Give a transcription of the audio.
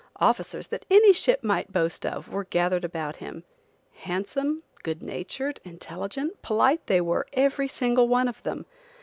Officers, that any ship might boast of, were gathered about him. Handsome, good natured, intelligent, polite, they were, every single one of them.